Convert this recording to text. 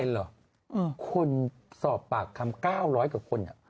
ไม่เห็นเหรอคนสอบปากคำ๙๐๐กว่าคน